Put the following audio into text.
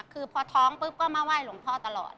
คือพอท้องปุ๊บก็มาไหว้หลวงพ่อตลอด